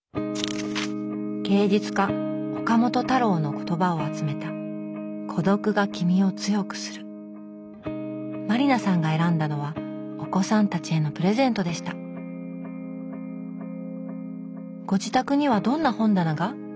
芸術家岡本太郎の言葉を集めた満里奈さんが選んだのはお子さんたちへのプレゼントでしたご自宅にはどんな本棚が？